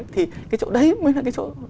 thì cái chỗ đấy mới là cái chỗ